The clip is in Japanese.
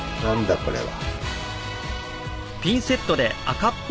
これは。